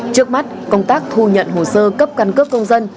trước mắt công tác thu nhận hồ sơ cấp căn cước công dân